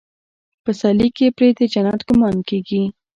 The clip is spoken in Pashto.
پسرلي کې پرې د جنت ګمان کېږي.